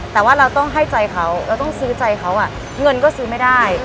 แต่ว่าเราต้องให้ใจเขาเราต้องซื้อใจเขาเงินก็ซื้อไม่ได้